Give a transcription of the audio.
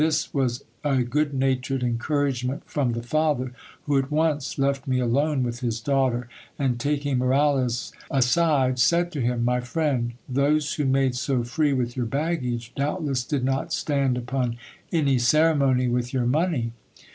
This was a good natured encouragement from tha father, who at once left me alone with his daughter, and taking Moralez as de, said to him ; My friend, those who made so free with your baggage, doubtless did not stand upon any ceremony with your money.